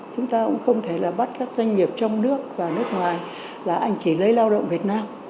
chúng ta cũng không thể là bắt các doanh nghiệp trong nước và nước ngoài là anh chỉ lấy lao động việt nam